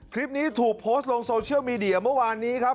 คลิปนี้ถูกโพสต์ลงโซเชียลมีเดียเมื่อวานนี้ครับ